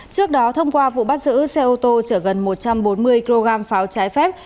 trước đó thông qua vụ bắt giữ xe ô tô chở gần một trăm bốn mươi kg pháo trái phép